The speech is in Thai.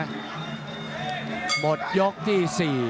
หมดยกที่สี่